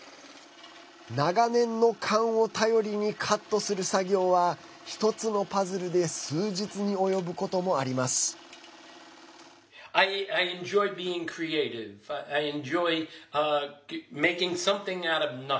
長年の勘を頼りにカットする作業は１つのパズルで数日に及ぶこともあります。